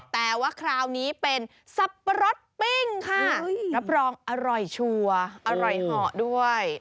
แต่ว่าคราวนี้เป็นสับปะรดปิ้งค่ะรับรองอร่อยชัวร์อร่อยเหาะด้วย